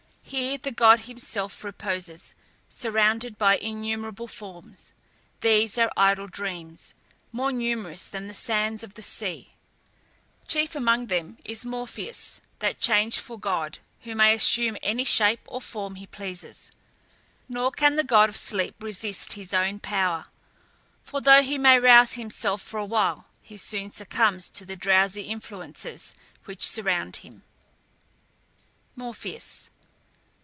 Here the god himself reposes, surrounded by innumerable forms. These are idle dreams, more numerous than the sands of the sea. Chief among them is Morpheus, that changeful god, who may assume any shape or form he pleases. Nor can the god of Sleep resist his own power; for though he may rouse himself for a while, he soon succumbs to the drowsy influences which surround him. MORPHEUS.